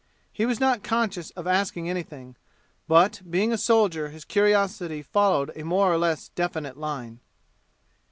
He was not conscious of asking anything, but being a soldier his curiosity followed a more or less definite line.